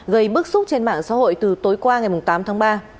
gây bức xúc trên mạng xã hội từ tối qua ngày tám tháng ba